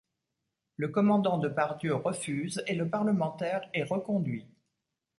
Le Commandant de Pardieu refuse et le parlementaire est reconduit.